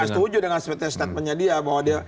gak setuju dengan statementnya dia bahwa